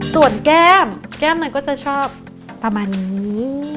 ส่วนแก้มแก้มมันก็จะชอบประมาณนี้